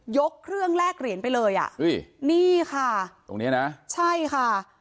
ยกเครื่องแลกเหรียญไปเลยอ่ะอุ้ยนี่ค่ะตรงเนี้ยนะใช่ค่ะ